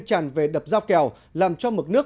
tràn về đập dao kèo làm cho mực nước